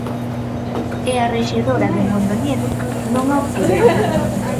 E a rexedora de Mondoñedo non a obtivera.